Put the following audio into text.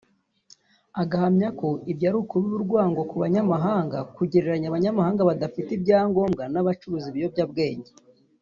Agahamya ko ibyo ari ukubiba urwango ku banyamahanga kugereranya abanyamahanga badafite ibyangombwa n’abacuruza ibiyobyabwenge